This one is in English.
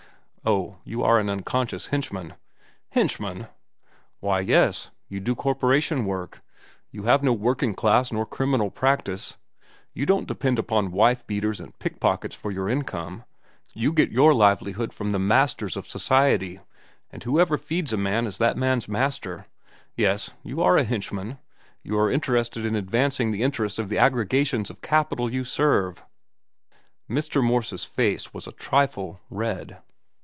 "Oh, you are an unconscious henchman." "Henchman?" "Why, yes. You do corporation work. You have no working class nor criminal practice. You don't depend upon wife beaters and pickpockets for your income. You get your livelihood from the masters of society, and whoever feeds a man is that man's master. Yes, you are a henchman. You are interested in advancing the interests of the aggregations of capital you serve." Mr. Morse's face was a trifle red.